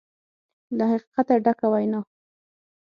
له حقیقته ډکه وینا